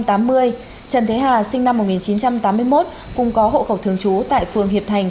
trần thế hà sinh năm một nghìn chín trăm tám mươi một cùng có hộ khẩu thường trú tại phường hiệp thành